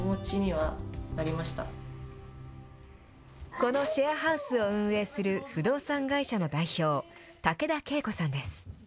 このシェアハウスを運営する不動産会社の代表、竹田恵子さんです。